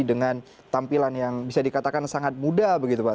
dan tampilan yang bisa dikatakan sangat muda begitu pak